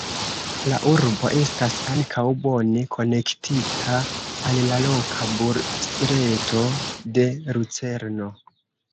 La urbo estas ankaŭ bone konektita al la loka busreto de Lucerno.